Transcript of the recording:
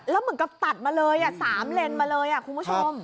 แล้วเหมือนกับตัดมาเลย๓เลนมาเลยคุณผู้ชม